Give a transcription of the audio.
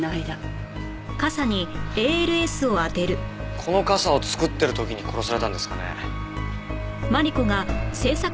この傘を作ってる時に殺されたんですかね？